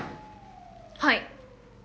はい。